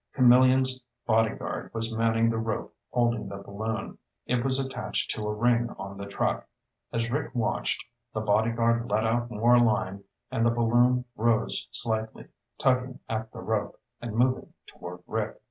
Camillion's bodyguard was manning the rope holding the balloon. It was attached to a ring on the truck. As Rick watched, the bodyguard let out more line and the balloon rose slightly, tugging at the rope, and moving toward Rick.